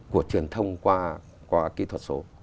của truyền thông qua kỹ thuật số